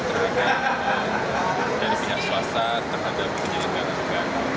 terdapat dari pihak swasta terhadap penyelenggaraan